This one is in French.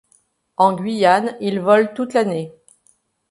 En Guyane il vole toute l'année.